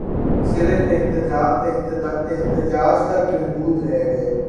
صرف احتجاج تک محدود رہ گئے